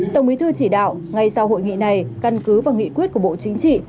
tổng bí thư chỉ đạo ngay sau hội nghị này căn cứ vào nghị quyết của bộ chính trị